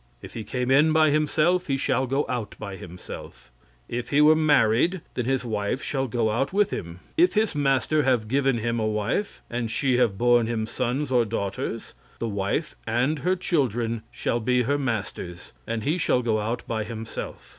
If he came in by himself, he shall go out by himself; if he were married, then his wife shall go out with him. If his master have given him a wife, and she have borne him sons or daughters, the wife and her children shall be her master's, and he shall go out by himself.